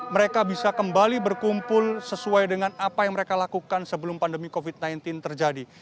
mereka bisa kembali berkumpul sesuai dengan apa yang mereka lakukan sebelum pandemi covid sembilan belas terjadi